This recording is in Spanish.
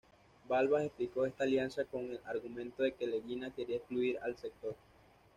Balbás explicó esta alianza con el argumento de que Leguina quería excluir al sector.